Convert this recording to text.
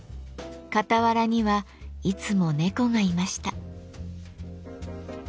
傍らにはいつも猫がいました。